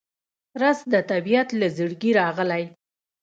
رس د طبیعت له زړګي راغلی